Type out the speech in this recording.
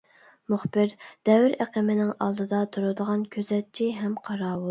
مۇخبىر-دەۋر ئېقىمىنىڭ ئالدىدا تۇرىدىغان كۆزەتچى ھەم قاراۋۇل.